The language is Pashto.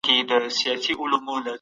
فکر او شعور په تدریجي ډول پېچلی کیږي.